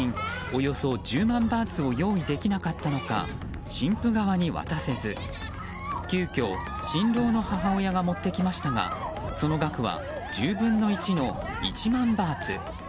およそ１０万バーツを用意できなかったのか新婦側に渡せず急きょ、新郎の母親が持ってきましたがその額は１０分の１の１万バーツ。